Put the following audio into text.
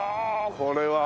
これは。